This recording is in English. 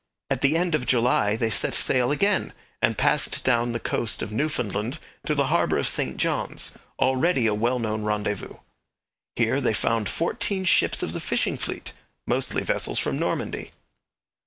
At the end of July, they set sail again, and passed down the coast of Newfoundland to the harbour of St John's, already a well known rendezvous. Here they found fourteen ships of the fishing fleet, mostly vessels from Normandy.